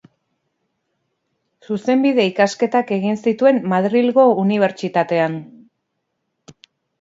Zuzenbide-ikasketak egin zituen Madrilgo Unibertsitatean.